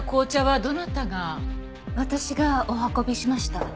私がお運びしました。